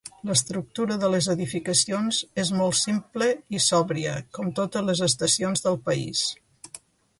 L'estructura de les edificacions és molt simple i sòbria, com totes les estacions del país.